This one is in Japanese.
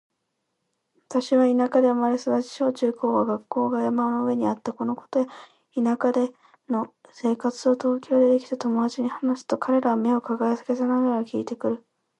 私は田舎で生まれ育ち、小・中・高は学校が山の上にあった。このことや田舎での生活を東京でできた友達に話すと、彼らは目を輝かせながら聞いてくれる。